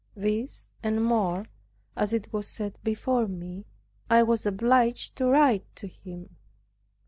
This and more, as it was set before me, I was obliged to write to him.